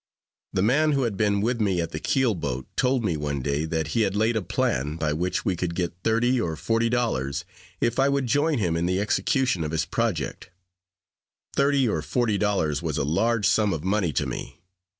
The man who had been with me at the keel boat told me one day, that he had laid a plan by which we could get thirty or forty dollars, if I would join him in the execution of his project. Thirty or forty dollars was a large sum of money to me.